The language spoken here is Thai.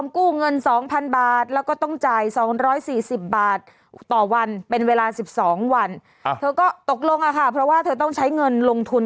เธอก็ตกลงค่ะเพราะว่าเธอต้องใช้เงินลงทุน